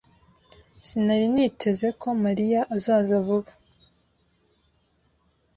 Sinari niteze ko Mariya azaza vuba.